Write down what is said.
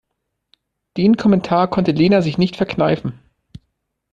Den Kommentar konnte Lena sich nicht verkneifen.